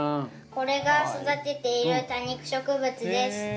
これが育てている多肉植物です。